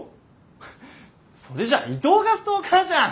それじゃあ伊藤がストーカーじゃん。